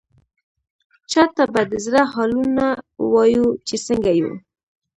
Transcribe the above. چا ته به د زړه حالونه ووايو، چې څنګه يو؟!